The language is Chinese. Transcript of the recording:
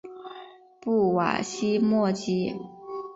布瓦西莫吉。